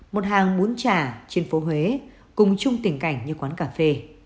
một hàng bún chả trên phố huế cùng chung tình cảnh như quán cà phê